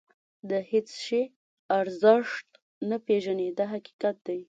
د هېڅ شي ارزښت نه پېژني دا حقیقت دی.